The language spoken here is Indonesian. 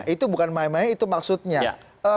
itu bukan main main itu maksudnya